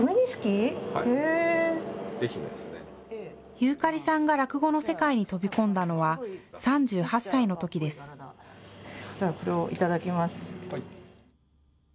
遊かりさんが落語の世界に飛び込んだのは、３８歳のときです。